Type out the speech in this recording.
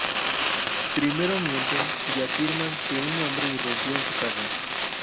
Primero mienten y afirman que un hombre irrumpió en su casa.